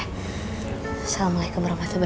assalamualaikum wr wb